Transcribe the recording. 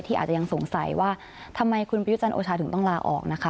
อาจจะยังสงสัยว่าทำไมคุณประยุจันทร์โอชาถึงต้องลาออกนะคะ